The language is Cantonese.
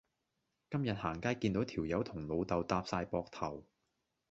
今日行街見到條友同老豆搭哂膊頭